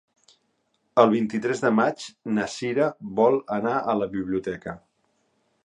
El vint-i-tres de maig na Cira vol anar a la biblioteca.